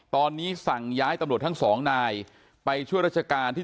ตอนนี้สั่งย้ายตำรวจทั้งสองนายไปช่วยราชการที่